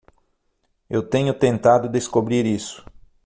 Eu tenho tentado descobrir isso.